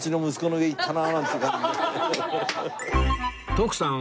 徳さん